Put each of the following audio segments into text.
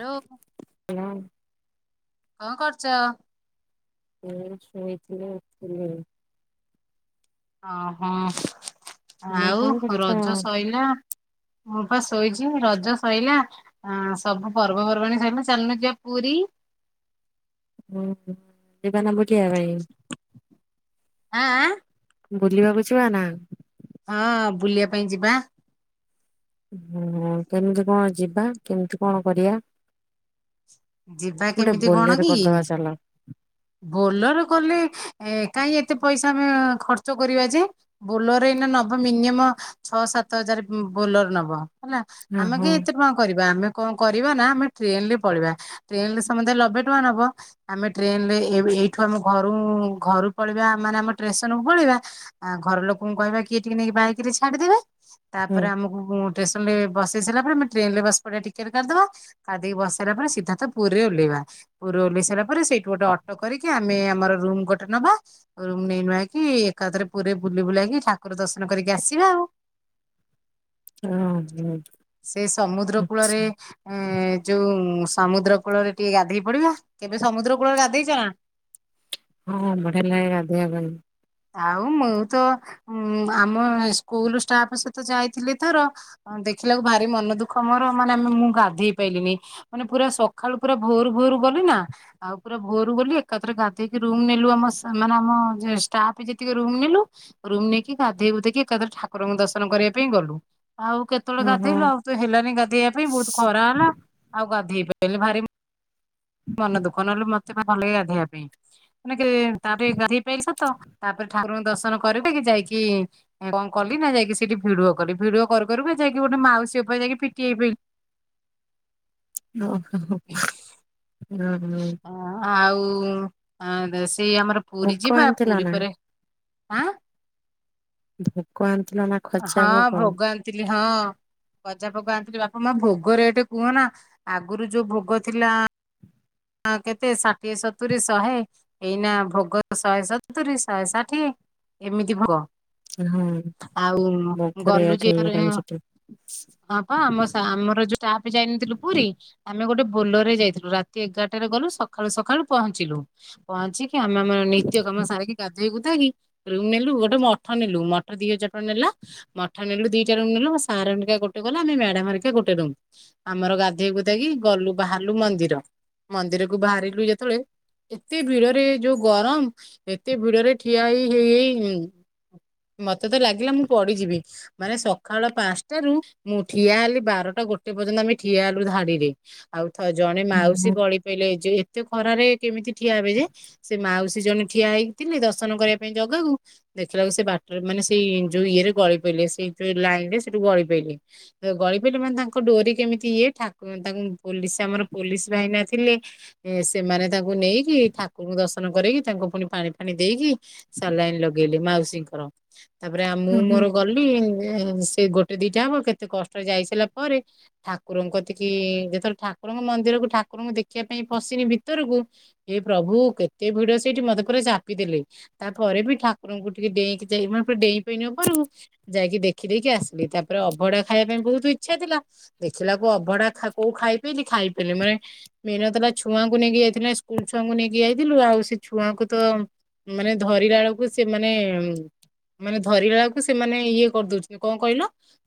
Hello ହଁ କଣ କରୁଛ ହୁଁ ଶୋଇଥିଲେ ହ ହୋଁ ତମେ କଣ ଆଉ କରୁଛ? ରଜ ସୋଇଲା ମୁଁ ପା ଶୋଇଛି ରଜ ସୋଇଲା ସବୁ ପର୍ବପର୍ବାଣୀ ସରଲା ଚାଲନୁ ଯିବା ପୁରୀ ହଁ ଦେବ ନା ବୁଝି ଆ ହଁ ବୁଲିବାକୁ ଯିବା ନା ହଁ ବୁଲିବା ପାଇଁ ଯିବା ହୁଁ କେମିତି କଣ ଯିବା କେମିତି କଣ କରିବା ଯିବା ଗୋଟେ କେମିତି କଣ ବୋଲେର କି କରିଦବା ଚାଲ ବୋଲର କଲେ ଏ ଏ କାହିଁ ଏତେ ପଇସା ଆମେ ଖର୍ଚ୍ଚ କରିବା ଯେ ବୋଲର ଏଇନା ନବ ମିନିମ ଛଅ ସାତ ହଜାର ବୋଲର ନବ। ହେଲା ହଁ ଆମେ ହଁ କାଇଁ ଏତେ ଟଙ୍କା କରିବା ଆମେ କଣ କରିବା ନା ଆମେ ଟ୍ରେନ ଲେ ପଳିବା ଟ୍ରେନ ରେ ସମସ୍ତେ ଲବେ ଟଙ୍କା ନବ ଆମେ ଟ୍ରେନ ଲେ ଏଇ ଏଇଠୁ ଆମ ଘରୁଁ ଘରୁଁ ପଳେବେ ଆମେମାନେ ଆମ ଟ୍ରେସନକୁୁ ପଳେଇବା ଆ ଘର ଲୋକଙ୍କୁ କହିବା କିଏ ଟିକେ ନେଇକି ବାଇକରେ ଛାଡିଦେବେ ହୁଁ ତାପରେ ଆମକୁ ଟେଶନରେ ବସ ସାଇଲା ପରେ ଆମେ ଟ୍ରେନଲେ ବସି ପଡ଼ିବା ଟିକେଟ କାଟିଦେବା କାଟିଦେଇ ବସ୍ ସାରିବା ପରେ ଶିପ ତା ଥ ପୁରୀରେ ଓହ୍ଲେଇବା, ପୁରୀରେ ଓହ୍ଲେଇ ସାରି ପରେ ସେଇଠୁ ଗୋଟେ ଅଟୋ କରିକି ଆମେ ଆମର ରୁମ ଗୋଟେ ନବା ରୁମ ନେଇ ନୁଆଇକି ଏକାଥରେ ପୁରୀରେ ବୁଲି ବୁଲାକି ଠାକୁର ଦର୍ଶନ କରିକି ଆସିବା ଆଉ। ହଁ ସେ ସମୁଦ୍ର କୂଳରେ ଏ ଯୋଉଁ ସମୁଦ୍ର କୂଳରେ ଟିକେ ଗାଧେଇ ପଡିବା, କେବେ ସମୁଦ୍ର କୂଳରେ ଗାଧେଇଛ ନା? ହଁ ବଢିଆ ଲାଗେ ଗାଧେଇବା ପାଇଁ ଆଉ ମୁଁ ତ ଉଁ ଆମ ସ୍କୁଲ ଷ୍ଟାଫ ସହିତ ଯାଇଥିଲି ଥର ଅ ଦେଖିଲାକୁ ଭାରି ମନ ଦୁଃଖ ମୋର ମାନେ ଆମେ ମୁଁ ଗାଧେଇ ପାଇଲିନି ମାନେ ପୁରା ସଖାଳୁ ପୁରା ଭୋର-ଭୋର ଗଲି ନା ଆଉ ପୁରା ଭୋରୁ ଗଲି ଏକାଥରେ ଗାଧେଇକି ରୁମ ନେଲୁ ଆମ ସା ମାନେ ଆମ ଜେସ୍ ଷ୍ଟାପ ଯେତିକି ରୁମ୍ ନେଲୁ ରୁମ ନେଇକି ଗାଧେଇ ଗୁଧେଇକି ଏକାଥରେ ଠାକୁରଙ୍କୁ ଦର୍ଶନ କରିବା ପାଇଁ ଗଲୁ। ଆଉ କେତେବେଳେ ହଁ ହଁ। ଗାଧେଇଲୁ ଆଉ ତ ହେଲାନି ଗାଧେଇବା ପାଇଁ ବହୁତ ଖରା ହେଲା ଆଉ ଗାଧେଇ ପା ଗଲେ ଭାରି ମ ମନା ଦୁଃଖ ନହଲେ ମ [unintelligible] ଭଲ ଗାଧେଇବା ପାଇଁ ମାନେ କି ତାପରେ ଗାଡ଼ି ତାପରେ ଠାକୁରଙ୍କୁ ଦର୍ଶନ କରିକି ଯାଇକି କଣ କଲି ନା ଯାଇକି ସେଇଠି ଭିଡ଼ିଓ କଲି ଭିଡ଼ିଓ କରୁ କରୁ ବି ଯାଇକି ଗୋଟେ ମାଉସୀ ଉପରେ ଯାଇକି ପିଟି ହେଇପଇଲି ଓହୋ ହୋ [unintelligible] ହୁଁ। ଆଉ ଆଁ ଦେଶ ସେଇ ଆମର ପୁରୀ ଭୋଗ ଯିବା ଆଣିଥିଲ ପୁରୀ ନା ପରେ ଆଁ! ଭୋଗ ଆଣ ହଁ ଭୋଗ ଆଣିଥିଲି ହଁ। ଗଜାଭୋଗ ଆଣିଥିଲି ବାପା ମା ଭୋଗ ରେଟ କୁହନା ଆଗରୁ ଯୋଉ ଭୋଗ ଥିଲା ହଁ କେତେ ଷାଠିଏ ସତୁରୀ ଶହେ ଏଇନା ଭୋଗ ଶହେ ସତୁରୀ ଶହେ ଷାଠିଏ ଏମିତି ଭୋଗ। ହଁ ଆଉ ଭୋଗ ଗଲୁ ରେଟ ଯେ ଥରେ ହେଇଗଲାଣି ହଁ ସେଠି ପା ଆମ ସା ଆମର ଯୋଉା ଷ୍ଟାପ ଯାଇନଥିଲୁ ପୁରୀ ଆମେ ଗୋଟେ ବୋଲରେ ଯାଇଥିଲୁ ରା ତି ଏଗାରଟାରେ ଗଲୁ ସଖାଳୁ ସଖାଳୁ ପହଞ୍ଚିଲୁ ପହଞ୍ଚି କି ଆମେ ଆମର ନିତ୍ୟକର୍ମ ସାରିକି ଗାଧେଇ ଗୁ ଇକି ରୁମ୍ ନେଲୁ ଗୋଟେ ମଠ ନେଲୁ ମଠ ଦି ହଜାର ଟଙ୍କା ନେଲା ମଠ ନେଲୁ ଦିଟା ରୁମ୍ ନେଲୁ ସାର ହେରିକା ଗୋଟେ ଗଲା ଆମେ ମ୍ୟାଡାମ ହେରିକା ଗୋଟେ ରୁମ୍ ଆମର ଗାଧେଇ ଗୁଧାକି ଗଲୁ ବାହାରିଲୁ ମନ୍ଦିର ମନ୍ଦିରକୁ ବାହାରିଲୁ ଯେତେବେଳେ ଏତେ ଭିଡରେ ଯୋଉ ଗରମ ଏତେ ଭିଡରେ ଠିଆ ହେଇ ହେଇ ଉଁ ମତେ ତ ଲାଗିଲା ମୁଁ ପଡିଯିବି ମାନେ ସଖାଳ ପାଞ୍ଚଟାରୁ ମୁଁ ଠିଆ ହେଲି ବାରଟା ଗୋଟେ ପର୍ଯ୍ୟନ୍ତ ଆମେ ଠିଆ ହେଲୁ ଧାଡିରେ ଆଉ ଜଣେ ମାଉସୀ ଓହୋ ଗଳି ପାଇଲେ ଏ ଯେ ଏତେ ଖରାରେ କେମିତି ଠିଆ ହେବେ ଯେ ସେ ମାଉସୀ ଜଣ ଠିଆ ହେଇଥିଲେ ଦର୍ଶନ କରିବା ପାଇଁ ଜଗାକୁ ଦେଖିଲାକୁ ସେ ବାଟରେ ମାନେ ସେଇ ଯୋଉ ଇଏରେ ଗଳି ପଇଲେ, ସେଇ ଯୋଉ ଲାଇନ ରେ ସେଠୁ ଗଳି ପଇଲେ ଗଳି ପଇଲେ ମାନେ ତାଙ୍କ ଡୋରି କେମିତି ଇଏ ତାଙ୍କୁ ପୋଲିସ ଆମର ପୋଲିସ ଭାଇନା ଥିଲେ ସେମାନେ ତାଙ୍କୁ ନେଇକି ଠାକୁରଙ୍କୁ ଦର୍ଶନ କରେଇକି ତାଙ୍କୁ ପୁଣି ପାଣି ଫାଣି ଦେଇକି ସାଲାଇନ ଲଗେଇଲେ। ମାଉସୀଙ୍କର। ତାପରେ ମୁଁ ଓହୋ ମୋର ଗଲି ସେ ଗୋଟେ ଦିଟା ହବ କେତେ କଷ୍ଟରେ ଯାଇ ସାରିଲା ପରେ ଠାକୁରଙ୍କ କତିକି ଯେତେବେଳେ ଠାକୁରଙ୍କ ମନ୍ଦିରକୁ ଠା ଠାକୁରଙ୍କୁ ଦେଖିବା ପାଇଁ ପଶିନି ଭିତରକୁ, ଏ ପ୍ରଭୁ କେତେ ଭିଡ ସେଇଠି ମତେ ପୁରା ଚାପିଦେଲେ, ତାପରେ ବି ଠାକୁରଙ୍କୁ ଟିକେ ଡେଇଁକି ଯାଇ ଡେଇଁ ପେଇଲି ଉପରକୁ ଯାଇକି ଦେଖି ଦେଇକି ଆସିଲି, ତାପରେ ଅଭଡ଼ା ଖାଇବା ପାଇଁ ବହୁତ ଇଚ୍ଛା ଥିଲା ଦେଖିଲା କ ଅଭଡ଼ା କୋଉ ଖାଇ ପାଇଲି। ଖାଇ ପଲେ ମାନେ ମେନତଲା ଛୁଆଙ୍କୁ ନେଇକି ଯାଇଥିଲେ ସ୍କୁଲ ଛୁଆଙ୍କୁ ନେଇକି ଯାଇଥିଲୁ ଆଉ ସେ ଛୁଆଙ୍କୁ ତ ମାନେ ଧରିଲା ବେଳକୁ ସେମାନେ ମାନେ ଧରିଲା ବେଳକୁ ସେମାନେ ଇଏ କରିଦଉଛନ୍ତି କଣ କହିଲ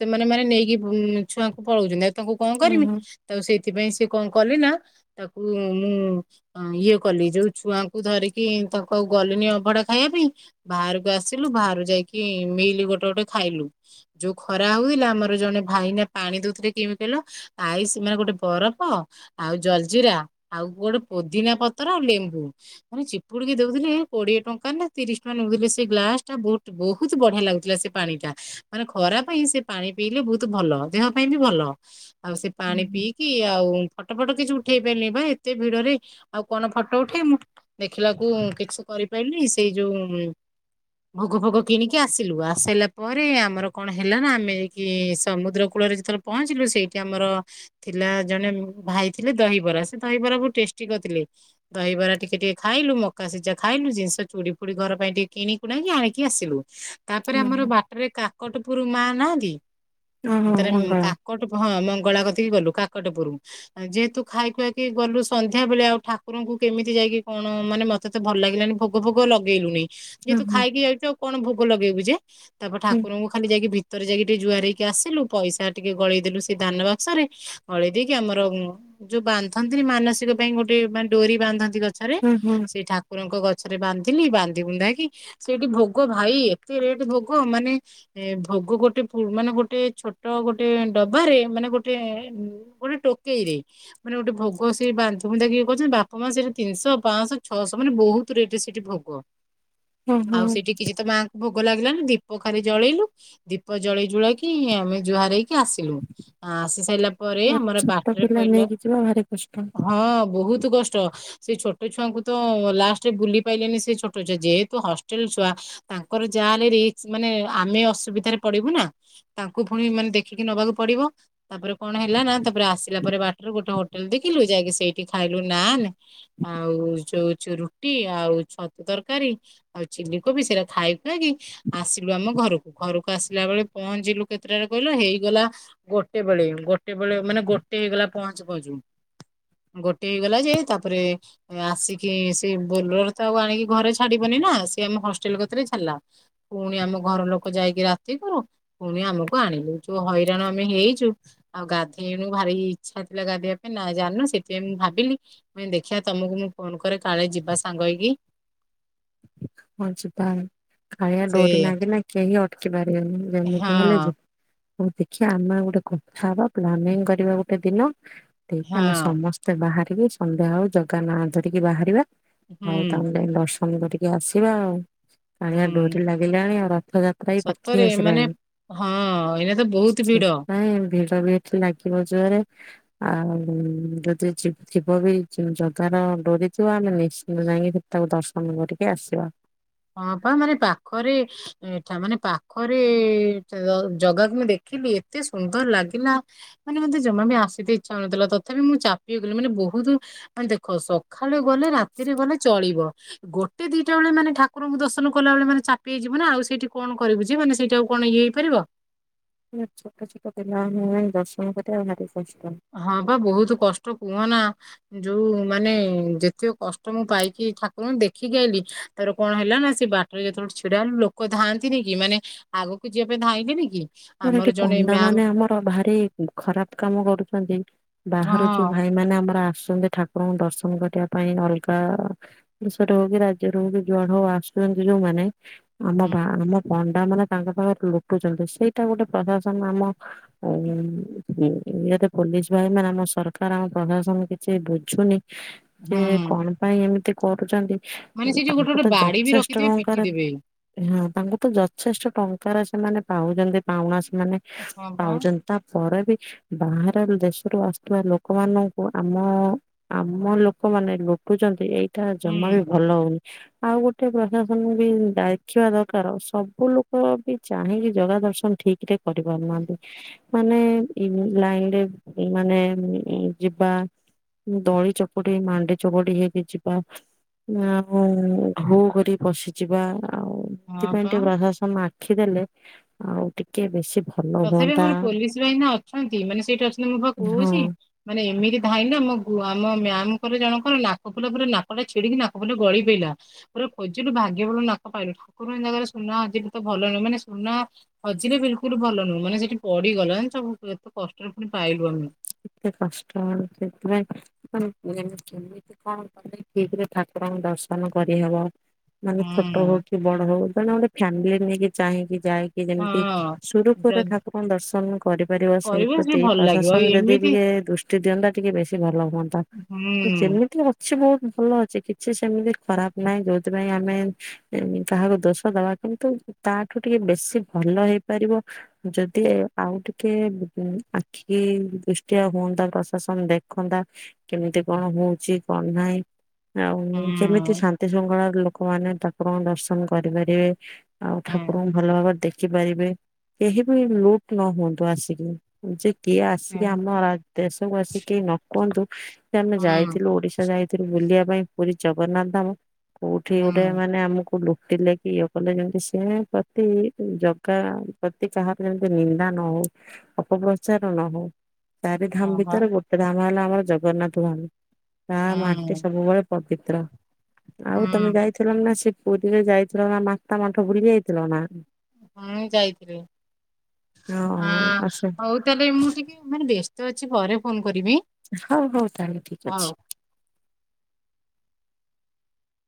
ସେମାନେ ମାନେ ନେଇକି ଛୁଆଙ୍କୁ ପଳଉଛନ୍ତି ଆଉ ତାଙ୍କୁ କଣ କରମି ଓହୋ। ତାଙ୍କୁ ସେଇ ସେଥିପାଇଁ ସେ କ କଲି ନା ତାକୁ ମୁଁ ଇଏ କଲି ଯୋଉ ଛୁଆଙ୍କୁ ଧରିକି ତାକୁ ଗଲିନି ଅଭଡା ଖାଇବା ପାଇଁ, ବାହାରକୁ ଆସିଲୁ ବାହହାର ଯାଇକି ମିଲ ଗୋଟେ ଗୋଟେ ଖାଇଲୁ ଯୋଉ ଖରା ହଉଥିଲା ଆମର ଜଣେ ଭାଇନା ପାଣି ଦଉଥିଲେ କେମତି କହିଲ ଆଇ ସେ ମମାନେ ଗୋଟେ ବରଫ ଆଉ ଜଲଜିିରା ଆଉ ଗୋଟେ ପୋଦିନା ପତ୍ର ଆଉ ଲେମ୍ବୁ ମାନେ ଚିପୁଡିକି ଦଉଥିଲେ କୋଡିଏ ଟଙ୍କା ନା ତିରିଶ ଟଙ୍କା ନେଉଥିଲେ ସେ ଗ୍ଲାସ ଟା ବହୁ ବହୁତ ବଢିଆ ଲାଗୁଥିଲା ସେ ପାଣିଟା ମାନେ ଖରା ପାଇଁ ସେ ପାଣି ପିଇଲେ ବହୁତ ଭଲ ଦେହ ପାଇଁ ବି ଭଲ। ଆଉ ସେ ପାଣି ପିଇକି ଆଉ ଫଟୋ ଫଟ କିଛି ଉଠେଇ ପାରିନି ବା ଏତେ ଭିଡରେ ଆଉ କଣ ଫଟୋ ଉଠେଇ ମୁଁ ଦେଖିଲାକୁ କିଛି କରିପାରିଲିନି ସେଇ ଯୋଉ ଭୋଗ ଫୋଗ କିଣିକି ଆସିଲୁ, ଆସିଲା ପରେ ଆମର କଣ ହେଲା ନା ଆମେ କି ସମୁଦ୍ର କୂଳରେ ଯେତେବେଳେ ପହଞ୍ଚିଲୁ ସେଇଠି ଆମର ଥିଲା ଜଣେ ଉମ୍ ଭାଇ ଥିଲେ ଦହିବରା ସେ ଦହିବରା ବହୁତ ଟେଷ୍ଟି କରିଥିଲେ ଦହିବରା ଟିକେ ଟିକେ ଖାଇଲୁ ମକା ସିଝା ଖାଇଲୁ ଜିନିଷ ଚୁଡ଼ି ଫୁଡି ଘର ପାଇଁ ଟିକେ କିଣିଣକି ଆଣିକି ଆସିଲୁ। ତାପରେ ଆମର ଓହୋ ବାଟରେ କାକଟ ପୁରୁ ମା ନାହାନ୍ତି। ଓହୋ ତରେ ମଙ୍ଗଳା କାକଟ ହଁ ମଙ୍ଗ ଗଳା କତିକି ଗଲୁ କାକଟପୁରୁ। ଯେହେତୁ ଖାଇ ଖୁଆକି ଗଲୁ ସନ୍ଧ୍ୟା ବେଳେ ଆଉ ଠାକୁରଙ୍କୁ କେମିତି ଯାଇକି କଣ ମାନେ ମତେ ତ ଭଲ ଲାଗିଲାନି ଭୋଗ ଭୋଗ ଲଗେଇ ଲୁନେଇ। ଯେହେତୁ ଓହୋ। ଖାଇକି ଯାଇଛୁ ଆଉ କଣ ଭୋଗ ଲଗେଇବୁ ଯେ। ତାପରେ ହୁଁ ଠାକୁରଙ୍କୁ ଖାଲି ଯାଇକି ଭି ଭତରେ ଯାଇକି ଟିକେ ଜୁହାର ହେଇକି ଆସିଲୁ ପଇସା ଟିକେ ଗଳେଇ ଦେଲୁ ସେ ଧାନ ବାକ୍ସରେ ଗଳେଇ ଦେଇକି ଆମର ଯୋଉ ବାନ୍ଧନ୍ତିନି ମାନସିକ ପାଇଁ ଗୋଟେ ମାନେ ଡୋରି ବାନ୍ଧନ୍ତି ଗଛ ଗଛରେ ହୁଁ ହୁଁ ସେ ଠାକୁରଙ୍କ ଗ ସେରେ ବାନ୍ଧିଲି ବାନ୍ଧି ବନ୍ଧାକ କି ସେଠି ଭୋଗ ଭାଇ ଏତେଠ ଭୋଗ ମାନେ ଭୋଗ ଗୋଟେ ମାନେ ଗୋଟେ ଛୋଟ ଗୋଟେ ଡବାରେ ମାନେ ଗୋଟେ ଗୋଟେ ଟୋକେଇରେ ମାନେ ଗୋଟେ ଭୋଗ ସେ ବାନ୍ଧ ଫନ୍ଧା କିଏ କହୁଛନ୍ତି ବାପା ମା ସେଇଟା ତିନିଶହ ପାଞ୍ଚଶହ ଛଅଶହ ମାନେ ବହୁତ ରେଟ ସେଠି ଭୋଗ। ହୁଁ ଆଉ ହୁଁ ସେଠି କିଛି ତ ମାଆଙ୍କୁ ଭୋ ଭ ଲାଗିଲାନି ଦୀପ ଖାଲି ଜଳେଇଲୁ ଦୀପ ଜଳେଇ ଜୁଳେଇକି ଆମେ ଯୁହାର ହେଇ ଆସିଲୁ ଆସି ସାରିଲା ପରେ ଗୋଟେ ଆମର ଛୋଟ ରେ ପିଲା ପଲା ନେଇକି ଯିବା ଭାରି କଷ୍ଟ ହଁ ବହୁତ କଷ୍ଟ। ସେ ଛୋଟ ଛୁଆଙ୍କୁ ତ ଲାଷ୍ଟରେ ବୁଲି ପାଇଲେନି ସେ ଛୋଟ ଛୁଆ ଯେହେତୁ ହଷ୍ଟେଲ ଛୁଆ ତାଙ୍କର ଯାହା ହେଲେ ମାନେ ଆମେ ଅସୁବିଧାରେ ପଡିବୁ ନା ତାଙ୍କୁ ପୁଣି ମାନେ ଦେଖିକି ନବାକୁ ପଡିବ ତାପରେ କଣ ହେଲା ନା ତାପରେ ଆସିଲା ପରେ ବାଟରେ ଗୋଟ ହୋଟେଲ ଦେଖିଲୁ ଯାଇକି ସେଇଠି ଖାଇଲୁ ନାନ ଆଉ ଯୋଉ ଚୁ ରୁଟି ଆଉ ଛତୁ ତରକାରୀ ଆଉ ଚିଲ କୋବି ସେଇଟା ଖାଇ ଖାଇକି ଆସିଲୁ ଆମ ଘରକୁ ଘରକୁ ଆସିଲା ବେଳେ ପହଞ୍ଚିଲୁ କେତେଟା ରେ କହିଲ ହେଇଗଲା ଗୋଟେ ବେଳେ ଗୋଟେ ବେଳେ ମାନେ ଗୋଟେ ହେଇଗଲା ପହଞ୍ଚୁ ପହଞ୍ଚୁ ଗୋଟେ ହେଇଗଲା ଯେ ତାପରେ ଆସିକି ସେ ବୋଲର ତ ଆଉ ଆଣିକି ଘରେ ଛାଡିବନି ନା ସେ ଆମ ହଷ୍ଟେଲ କଥରେ ଛାଡ଼ିଲା ପୁଣି ଆମ ଘର ଲୋକ ଯାଇକି ରାତି କରୁ ପୁଣି ଆମକୁ ଆଣିଲୁ ଯୋଉ ହଇରାଣ ଆମେ ହେଇଛୁ ଆଉ ଗାଧ ତଣୁ ଭାରି ଇଚ୍ଛା ଥିଲା ଗାଧେଇବା ପାଇଁ ଜାଣିନୁ ସେଥିପାଇଁ ମୁଁ ଭାବିଲି ମୁଇ ଦେଖିବା ତମକୁ ମୁଁ ଫୋନ କରେ କାଳେ ଯିବା ସାଙ୍ଗ ହେଇକି । ହଁ ଯିବା କାଳିଆ ସେ ଡୋରି ନାଗିଲ କେହି ଅ କିବାର ଏମ୍ ଜାନିକି ହେଲେ ଯେ ହଁ ହୋଉ ଦେଖିଆ ଆମେ ଆଉ ଗୋଟେ କଥା ହବା ପ୍ଲାନିଂ କରିବା ଗୋଟେ ଦିନ ଦେଇକି ହଁ ଆମେ ସମସ୍ତେ ବାହାର ଏବେ ସନ୍ଧ୍ୟା ହଉ ଜଗା ନାଁ ଧରିକି ବାହାରିବା । ହଉ ହୁଁ ତାହେଲେ ଏ ବର୍ଷ୍ ଅନୁ କରିକି ଆସ୍ ଯିବା ଆଉ କାଳିଆ ଡୋରି ହୁଁ ଲାଗିଲାଣି ଆଉ ରଥଯାତ୍ରା ବି ପାଖେଇ ସତରେ ମାନେ ଆସିଲାଣି ହଁ ଏଇନା ତ । ବହୁତ ଭିଡ ସେଥିପାଇଁ ଭି ତ ଏବେ ଏଠି ଲାଗିବ ଜୋରେ। ଆଉ ଯଦି ଯି ଯିବ ବି ଜଗାର ଡୋରିଥିବ ଆମେ ନିଶ୍ଚିତ ଯାଇଁକି ସେ ତାକୁ ଦର୍ଶନ କରିକି ଆସିବା। ହଁ ପା ମାନେ ପାଖରେ ଏଁ ଠା ମାନେ ପାଖରେ ଚ ଜଗାକୁ ମୁଁ ଦେଖିଲି ଏତେ ସୁନ୍ଦର ଲାଗିଲା ମାନେ ମତେ ଜମା ବି ଆସିତେ ଇଚ୍ଛା ହୋଉନଥୁଲା। ତଥାପି ମୁଁ ଚାପି ହେଇଗଲିି ମାନେ ବୋହୁତ ମାନେ ଦେଖ ସଖାଳେ ଗଲେ ରାତିରେ ଗଲେ ଚଳିବ ଗୋଟେ ଦିଟା ଓଳେ ମାନେ ଠା କୁରଙ୍କୁ ଦର୍ଶନ କଲା ବେଳେ ମାନେ ଚାପି ହେଇଯିବୁ ନାଁ ଆଉ ସେଇଠି କଣ କରିବୁ ଯେ ମାନେ ସେଇଠି ଆଉ କଣ ଆଉ ଇଏ ହେଇପାରିବ? ଇଏ ଛୋଟ ଛୋଟ ପିଲାମାନେ ଯାଇଁକି ଦର୍ଶନ କରିବା ଭାରି କଷ୍ଟ। ହଁ ପା ବୋହୁତ କଷ୍ଟ କୁହନା ଯୋଉ ମାନେ ଯେତିକ କଷ୍ଟ ମୁଁ ପାଇକି ଠାକୁରଙ୍କୁ ଦେଖିକି ଆଇଲି ତାର କଣ ହେଲା ନାଁ ସେ ବାଟରେ ଯେତୋଳୁ ଛିଡା ହେଲୁ ଲୋକ ଧାଆନ୍ତିନେଇ କି ମାନେ ଆଗକୁ ଯିବା ପାଇଁ ଧାଇଲେନି କି? ମାନେ ଏଠି ଆମର ଜଣେ ମ୍ୟାମ ପଣ୍ଡାମାନେ ଆମର ଭାରି ଖରାପ କାମ କରୁଛନ୍ତି। ବାହାରୁ ଯୋଉ ହଁ ଭାଇମାନେ ଆମର ଆ ସନ୍ତି ଠାକୁରଙ୍କୁ ଦର୍ଶନ କରିବା ପାଇଁ ଅଲଗା ଦେଶରେ ହୋଉ କି ରାଜ୍ୟରେ ହୋଉ କି ଜୁଆଡୁ ହୋଉ ଆସୁଚନ୍ତି ଯୋଉମାନେ ଆମ ହୁଁ ଭା ଆମ ପ ଡାମାନେ ତାଙ୍କ ପାଖୁର ଲୁଟୁଛନ୍ତି ସିଏ ଏଟା ଗୋଟେ ପ୍ରଶାସନ ଆମ ଆଉ ହୁଁ ଇଏତ ପୋଲିସ ଭାଇମାନେ ଆମ ସରକାର ଆମ ପ୍ରଶାସନ କିଛି ବୁଝୁନି। ଯେ ହୁଁ କଣ ପାଇଁ ଏମିତି କରୁଚନ୍ତି। ମାନେ ସେଇ ଯୋଉ ଗୋଟେ ଗୋଟେ ବାଡି ବି ରଖିଥିବେ ଟଙ୍କାର ପିଟି ଦେବେ। ହଁ ତାଙ୍କୁ ତ ଯଥେଷ୍ଟ ଟଙ୍କାର ସେମାନେ ପାଉଚନ୍ତି ଆ ମାସ ମାନେ ହଁ ପା ପାଉଚନ୍ତି ତା ପରେ ବି ବାହାର ଦେଶରୁ ଆସୁଥୁବା ଲୋକମାନଙ୍କୁ ଆମ ଆମ ଲୋକମାନେ ଲୁଟୁଚନ୍ତି ଏଇ ତାହା ହୁଁ ଜମା ବି ଭଲ ହୋଉନି। ଆଉ ଗୋଟେ ପ୍ରଶାସନ ବି ଦାଖିବା ଦରକାର ସବୁ ଲୋକ ବି ଚାହିଁକି ଜଗା ଦର୍ଶନ ଏତେ କରିପାରୁନାହାନ୍ତି। ମାନେ ଇନ୍ ଲାଇନରେ ମାନେ ଉଁ ଯିବା ଦଳି ଚକଟି ହେଇ ମାଣ୍ଡି ଚକଟି ହେଇକି ଯିବା ଆଉ ଘୋ କରି ପଶିଯିବା। ଆଉ ହଁ ଥିପାଇଁ ପା ଟିକେ ବାଧା ସମାନ୍ ଖିଦେଲେ ଆଉ ଟି କେ ବେଶୀ ତଥାପି ଆମର ପୋଲିସ ବାହିନି ଅଛନ୍ତି ମାନେ ସେଇଠି ଅଛନ୍ତି ମୁଁ ବା ହଁ କହୁଛି ମାନେ ଏମିତି ଧାଇଁଲା ଆମ ଗୁ ଆମ ମ୍ୟାମଙ୍କର ଜଣକର ନାକ ଫୁଲ ପୁରା ନାକଟା ଛିଡିକି ନାକ ଫୁଲ ଗଳି ପଇଲା ପୁରା ଖୋଜିଲୁ ଭାଗ୍ୟ ଭଲ ନାକ ପାଇଲୁ ଠାକୁରଙ୍କ ଜାଗାରେ ସୁନା ହଜିଲେ ତ ଭଲ ନୁହଁ ମାନେ ସୁନା ହଜିିଲେ ବିଲକୁଲ ଭଲ ନୁହଁ ମାନେ ସେଠି ପିଡି ଗଲା ଜାଣିଚ କେତେ କଷ୍ଟରେ ପୁଣି ପାଇଲୁ ଆମେ। ଏତେ କଷ୍ଟ ହଉ ସେଥିପାଇଁ ଯେମି କେମିତି କଣ କରିକି ଠିକରେ ଠାକୁରଙ୍କୁ ଦର୍ଶନ କରିହେବ। ମାନେ ଛୋଟ ହୁଁ ହୋଉ କି ବଡ ହୋଉ। ମାନେ ଗୋଟେ ଫ୍ୟାମିଲି ନେଇକି ଚାହିଁକି ଯାଇକି ଯେମିତି ହଁ ସୁରୁଖୁରୁରେ ଯଦି ଠାକୁରଙ୍କୁ ଦର୍ଶନ କରିପାରିବ କରିବ ସେ ସେଇପ୍ରତି ଭଲ ଲାଗିବ ପ୍ରଶାସ ହଁ ଆଉ ଯଦି ବି ଏମିତି ହେ ଦୁଷ୍ଟ ଦିଅନ୍ତା ଟିକେ ବେଶୀ ଭଲ ହୁଅନ୍ତା ହୁଁ ଯେମିତି ଅଛି ବହୁତ ଭଲ ଅଛି କିଛି ସେମିତି ଖରାପ ନାହିଁ ଯୋଉଥିପାଇଁ ଆମେ କାହାକୁ ଦୋଷ ଦବା କିନ୍ତୁ ତାଠୁ ଟିକେ ବେଶୀ ଭଲ ହେଇପାରିବ ଯଦି ଆଉ ଟିକେ ଆଖି କି ଦୃଷ୍ଟିଆ ହୁଅନ୍ତା ପ୍ରଶାସନ ଦେଖନ୍ତା କେମିତି କଣ ହଉଛି କଣ ନାହିଁ। ଆଉ ହୁଁ କେମିତି ଶାନ୍ତି ସୃଙ୍କଳାରେ ଲୋ ଲୋକମାନେ ଠାକୁରଙ୍କୁ ଦର୍ଶନ କରିପାରିବେ ଆଉ ହୁଁ ଠାକୁରଙ୍କୁ ଭଲ ଭାବରେ ଦେ ଖିପାରିବେ କେହି ବି ଲୁଟ ନ ହୁଅନ୍ତୁ ଆସିକି ଯେ କିଏ ହୁଁ ଆସିକି ଆମ ରା ଦେଶକୁ ଆସିକି କେହି ନ କୁହନ୍ତୁ କି ଆମେ ଯାଇଥିଲୁ ହୁଁ ଓଡିଶା ଯାଇ ଏଥିରୁ ବୁଲିବା ପାଇଁ ପୁରୀ ଜଗନ୍ନାଥ ଧାମ କୋଉଠି ଗୋଟେ ମାନେ ଆମକୁ ଲୁ ତି ଲେକି ଇଏ କଲେ ଯେମିତି ସେ ପ୍ରତି ଜଗା ପ୍ରତି କାହାର ଯେମିତି ନିନ୍ଦା ନ ହଉ ଅପ ଚାରଣ ହୋଉ। ଚାରି ଧାମ ହଁ ବା ଭିତରେ ଗୋଟେ ଧାମ ହେଲା ହଁ ଜଗନ୍ନାଥ ଭାଲୁ। ତା ମାଟି ହୁଁ ସବୁବେଳେ ପଦି ତ୍ର। ଆଉ ହୁଁ ତମେ ଯାଇଥିଲ ନା ସେ ପୁରୀରେ ଯାଇଥିଲ ନା ମାତା ମଠ ବୁଲି ଯାଇଥିଲ ନା? ହଁ ଯାଇଥିଲି ହ ହଁ ଆସ ହଉ ତାଲେ ମୁଁ ଟିକେ ମାନେ ବ୍ୟସ୍ତ ଅଛି ପରେ ଫୋନ କରିବି ହଉ ହଉ ତାହେଲେ ଠିକ ହଉ। ଅଛି।